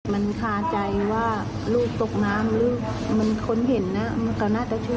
มันคาใจว่าลูกตกน้ำหรือมันคนเห็นนะมันก็น่าจะช่วย